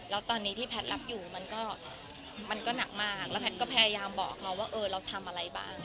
แล้วตอนนี้ที่แพทย์รับอยู่มันก็หนักมากแล้วแพทย์ก็พยายามบอกเราว่าเออเราทำอะไรบ้าง